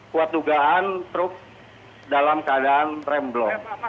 kuat dugaan truk dalam keadaan remblong